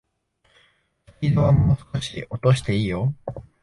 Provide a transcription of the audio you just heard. スピードはもう少し落としていいよ